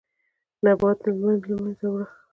نبات مه له منځه وړه.